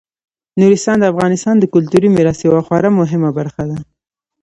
نورستان د افغانستان د کلتوري میراث یوه خورا مهمه برخه ده.